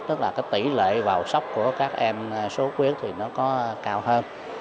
tức là tỷ lệ vào sóc của các em số huyết thì nó có cao hơn